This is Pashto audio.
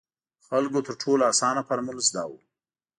خلکو تر ټولو اسانه فارمول زده وو.